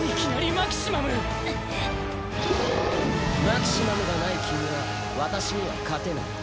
マキシマムがない君は私には勝てない。